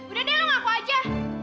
udah deh lo ngaku aja